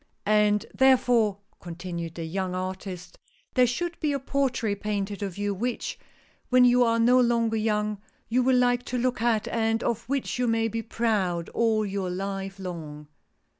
" And, therefore," continued the young artist, there should be a portrait painted of you, which, when you are no longer young, you will like to look at, and of which you may be proud all your life long."